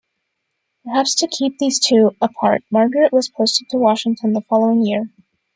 Perhaps to keep these two apart, Margaret was posted to Washington the following year.